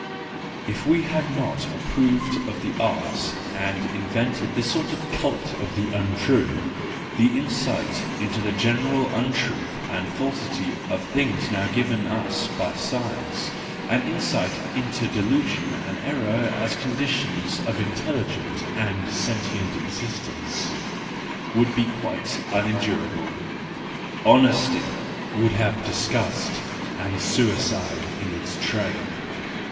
—If we had not approved of the Arts and invented this sort of cult 10 I46 THE JOYFUL WISDOM, II of the untrue, the insight into the general untruth and falsity of things now given us by science— an insight into delusion and error as conditions of intelligent and sentient existence—would be quite unendurable. Honesty would have disgust and suicide in its train.